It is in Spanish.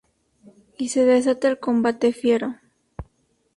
Y se desata el combate fiero.